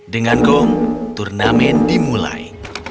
dengan gong turnamen dimulai